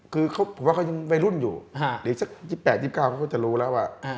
คือเขายังวัยรุ่นอยู่เดี๋ยวสัก๒๘๒๙ก็จะรู้แล้ว